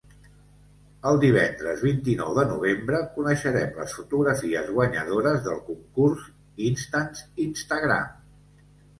El divendres vint-i-nou de novembre coneixerem les fotografies guanyadores del concurs Instants Instagram.